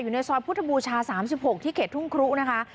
อยู่ในซอยพุทธบูชา๓๖ที่เขตทุ่งครุนะคะ